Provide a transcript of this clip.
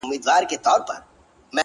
o هغې کافري په ژړا کي راته وېل ه؛